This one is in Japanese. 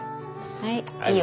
はい。